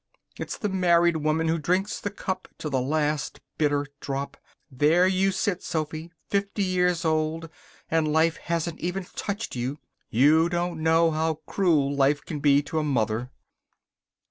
It's the married woman who drinks the cup to the last, bitter drop. There you sit, Sophy, fifty years old, and life hasn't even touched you. You don't know how cruel life can be to a mother."